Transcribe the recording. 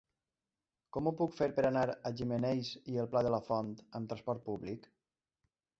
Com ho puc fer per anar a Gimenells i el Pla de la Font amb trasport públic?